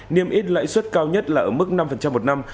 niêm ít lãi suất cao nhất là ở mức năm một năm